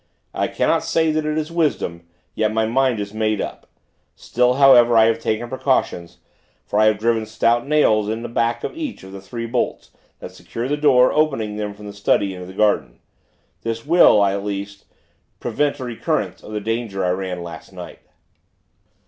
I cannot say that it is wisdom; yet my mind is made up. Still, however, I have taken precautions; for I have driven stout nails in at the back of each of the three bolts, that secure the door, opening from the study into the gardens. This will, at least, prevent a recurrence of the danger I ran last night.